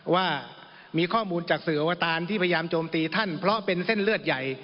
ว่ามีข้อมูลจากสื่ออวตารที่พยายามโจมตีท่านเพราะเป็นเส้นเลือดใหญ่